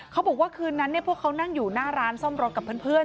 เขาบอกว่าคืนนั้นพวกเขานั่งอยู่หน้าร้านซ่อมรถกับเพื่อน